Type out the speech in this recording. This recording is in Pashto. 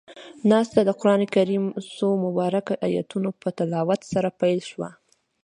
ناسته د قرآن کريم څو مبارکو آیتونو پۀ تلاوت سره پيل شوه.